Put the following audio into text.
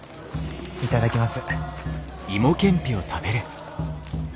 頂きます。